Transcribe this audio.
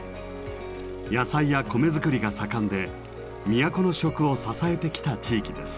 野菜や米作りが盛んで都の食を支えてきた地域です。